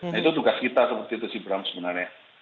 nah itu tugas kita seperti itu sih bram sebenarnya